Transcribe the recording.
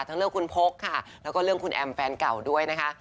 ทั้งเรื่องคุณโว๊คแล้วก็คุณแอมแฟนก่าวด้วยนะคะ